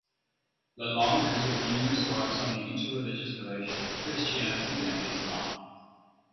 Lelong has written numerous works on the interreligious relations of Christianity and Islam.